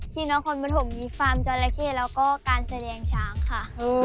นครปฐมมีฟาร์มจราเข้แล้วก็การแสดงช้างค่ะ